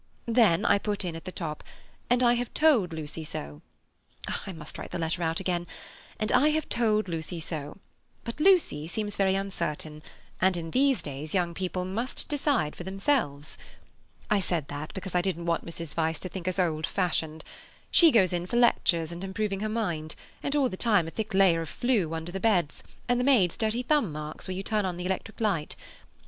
Then I put in at the top, 'and I have told Lucy so.' I must write the letter out again—'and I have told Lucy so. But Lucy seems very uncertain, and in these days young people must decide for themselves.' I said that because I didn't want Mrs. Vyse to think us old fashioned. She goes in for lectures and improving her mind, and all the time a thick layer of flue under the beds, and the maid's dirty thumb marks where you turn on the electric light.